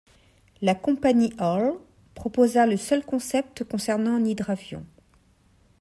La compagnie Hall proposa le seul concept concernant un hydravion.